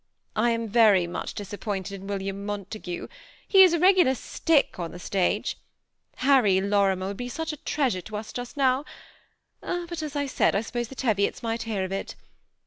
I am very much disappointed in William Montague ; he is a regular stick on the stage. Harry Lorimer would be a treasure to us just now; but, as I said, I suppose the Teviots might hear of it.